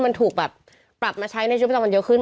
มันถูกแบบปรับมาใช้ในชุมผลักษณะเยอะขึ้น